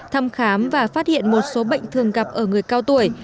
thăm khám và phát hiện một số bệnh thường gặp ở người cao tuổi